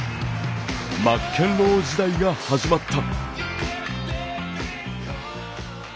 マッケンロー時代が始まった。